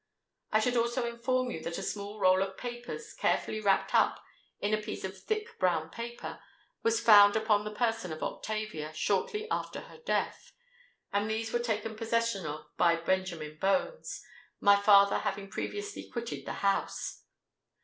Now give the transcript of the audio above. I should also inform you that a small roll of papers, carefully wrapped up in a piece of thick brown paper, was found upon the person of Octavia, shortly after her death; and these were taken possession of by Benjamin Bones, my father having previously quitted the house.